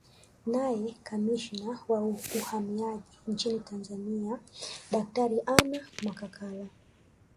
Naye Kamishna wa Uhamiaji nchini Tanzania Daktari Anna Makakala